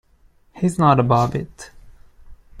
He's not above it.